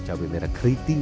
cabai merah keriting